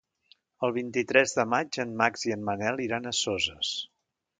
El vint-i-tres de maig en Max i en Manel iran a Soses.